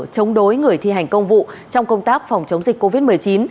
chống đối người thi hành công vụ trong công tác phòng chống dịch covid một mươi chín